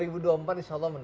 bumper insya allah menang